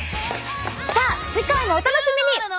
さあ次回もお楽しみに！